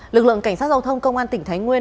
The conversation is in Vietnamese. lực lượng cảnh sát giao thông công an tỉnh thái nguyên